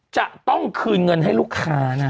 จะต้องคืนเงินให้ลูกค้านะฮะ